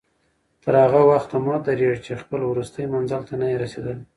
تر هغه وخته مه درېږه چې خپل وروستي منزل ته نه یې رسېدلی.